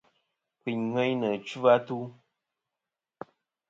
Kfɨyn ŋweyn nɨ̀ ɨchɨ-atu.